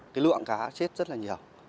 cái lượng cá chết rất là nhiều